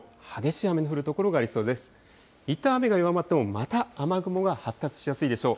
いったん雨が弱まっても、また雨雲が発達しやすいでしょう。